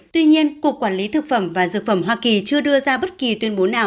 tuy nhiên cục quản lý thực phẩm và dược phẩm hoa kỳ chưa đưa ra bất kỳ tuyên bố nào